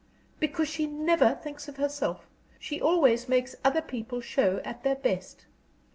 Because she never thinks of herself, she always makes other people show at their best.